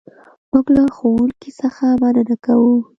موږ له ښوونکي څخه مننه کوو.